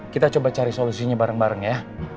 kita coba cari solusinya bareng bareng ya